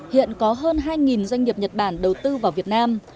hiện có hơn hai doanh nghiệp nhật bản đầu tư vào việt nam